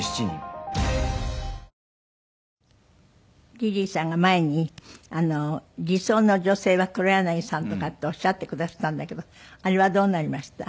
リリーさんが前に理想の女性は黒柳さんとかっておっしゃってくだすったんだけどあれはどうなりました？